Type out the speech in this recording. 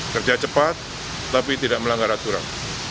kerja cepat tapi tidak melanggar aturan